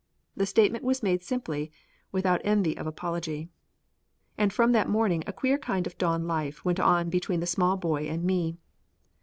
The statement was made simply, without envy of apology. And from that morning a queer kind of dawn life went on between the small boy and me.